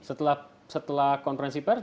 setelah setelah konferensi penyelesaian